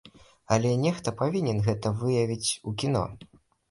Але нехта павінен гэта выявіць у кіно.